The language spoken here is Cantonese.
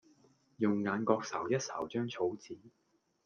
用眼角睄一睄張草紙